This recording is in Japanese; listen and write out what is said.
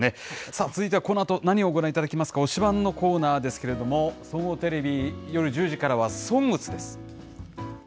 さあ、続いてはこのあと、何をご覧いただきますか、推しバンのコーナーですけれども、総合テレビ夜１０時からはＳＯＮＧＳです。